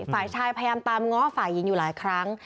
ฝ่ายชายพยายามตามง้อฝ่ายหญิงอยู่หลายครั้ง